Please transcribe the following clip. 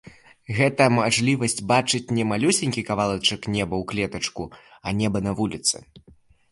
Гэта мажлівасць бачыць не малюсенькі кавалачак неба ў клетачку, а неба на вуліцы.